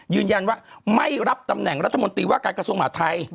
ยืนยันว่าไม่รับตำแหน่งรัฐมนตรีว่าการกระทรวงมหาทัย